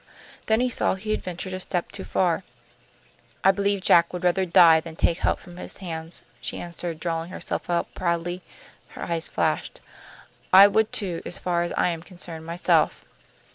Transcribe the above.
Then he saw he had ventured a step too far. "I believe Jack would rather die than take help from his hands," she answered, drawing herself up proudly. Her eyes flashed. "I would, too, as far as I am concerned myself."